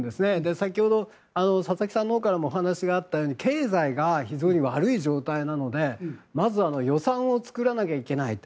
先ほど、佐々木さんからお話があったように経済が悪い状況なのでまず予算を作らなきゃいけないと。